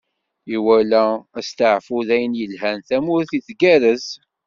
Iwala asteɛfu d ayen yelhan, tamurt tgerrez.